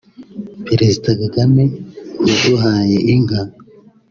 Perezida Kagame yaduhaye inka